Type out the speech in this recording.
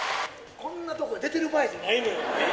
こんなところに出てる場合じゃないのよ。